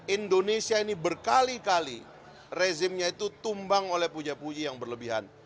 indonesia ini berkali kali rezimnya itu tumbang oleh puja puji yang berlebihan